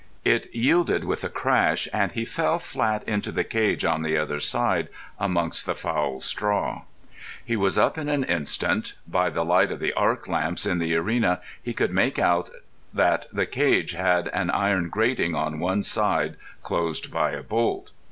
It yielded with a crash, and he fell flat into the cage on the other side, amongst the foul straw. He was up in an instant. By the light of the arc lamps in the arena he could make out that the cage had an iron grating on one side closed by a bolt.